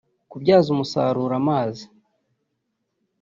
kubyaza umusaruro amazi